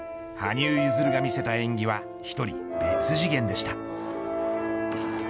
羽生結弦が見せた演技は１人、別次元でした。